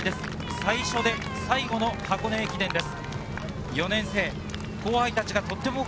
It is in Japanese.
最初で最後の箱根駅伝です。